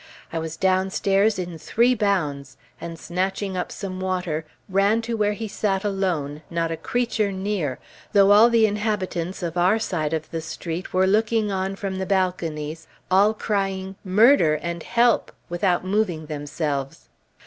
I was downstairs in three bounds, and, snatching up some water, ran to where he sat alone, not a creature near, though all the inhabitants of our side of the street were looking on from the balconies, all crying "Murder!" and "Help!" without moving themselves.